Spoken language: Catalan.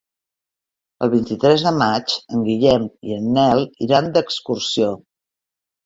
El vint-i-tres de maig en Guillem i en Nel iran d'excursió.